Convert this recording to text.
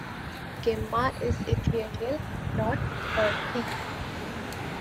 Gemma is ethereal, not earthy.